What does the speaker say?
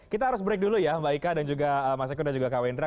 kita harus break dulu ya mbak ika dan juga mas eko dan juga kak wendra